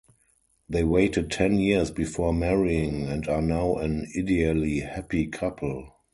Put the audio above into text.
They waited ten years before marrying and are now an ideally happy couple.